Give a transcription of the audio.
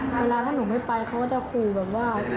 เวลาถ้าหนูไม่ไปเขาก็จะขู่แบบว่า